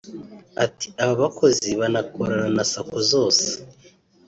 Ati “Aba bakozi banakorana na Sacco zose